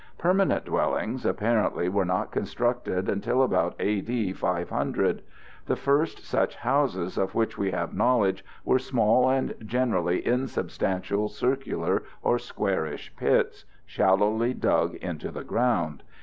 Permanent dwellings apparently were not constructed until about A.D. 500. The first such houses of which we have knowledge were small and generally insubstantial circular or squarish pits, shallowly dug into the ground.